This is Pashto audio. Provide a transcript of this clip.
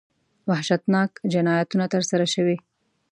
وحشتناک جنایتونه ترسره شوي.